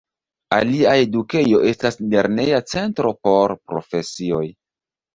Alia edukejo estas lerneja centro por profesioj.